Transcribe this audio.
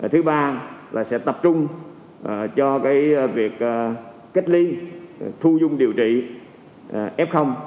thứ ba là sẽ tập trung cho việc cách ly thu dung điều trị f